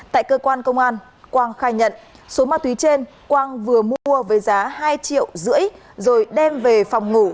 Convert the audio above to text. tại cơ quan công an quang khai nhận số ma túy trên quang vừa mua với giá hai triệu rưỡi rồi đem về phòng ngủ